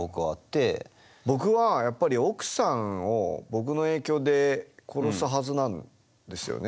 僕はやっぱり奥さんを僕の影響で殺すはずなんですよね。